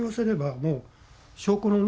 もう証拠のね